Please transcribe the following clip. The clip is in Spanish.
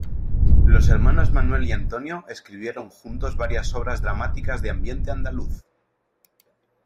Los hermanos Manuel y Antonio escribieron juntos varias obras dramáticas de ambiente andaluz.